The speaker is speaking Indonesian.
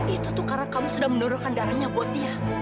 itu tuh karena kamu sudah menurunkan darahnya buat dia